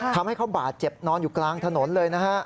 ทำให้เขาบาดเจ็บนอนอยู่กลางถนนเลยนะฮะ